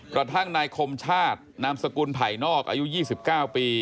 กระทั่งนายคมชาตินามสกุลไผ่นอกอายุ๒๙ปี